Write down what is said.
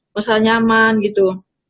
masalah nyaman gitu